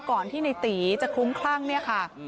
ก่อนที่ในตีจะคลุ้มคลั่งเนี่ยค่ะ